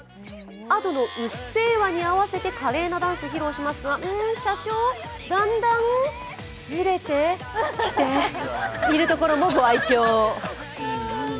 Ａｄｏの「うっせぇわ」に合わせて華麗なダンスを披露しますが社長、だんだん、ずれてきていれるところもご愛きょう。